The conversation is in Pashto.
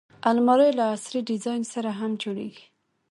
الماري له عصري ډیزاین سره هم جوړیږي